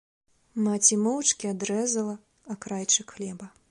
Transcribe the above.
Маці моўчкі адрэзала акрайчык хлеба.